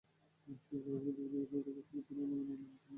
শিশু হাসপাতালের চিকিৎসকদের কাছ থেকে তিনি নমুনা আলামত হিসেবে জব্দ করেন।